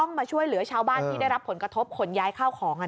มาช่วยเหลือชาวบ้านที่ได้รับผลกระทบขนย้ายข้าวของ